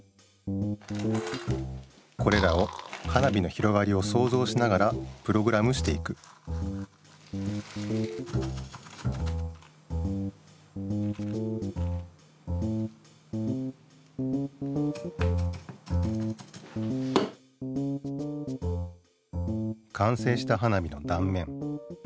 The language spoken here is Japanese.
これらを花火の広がりをそうぞうしながらプログラムしていくかんせいした花火のだんめん。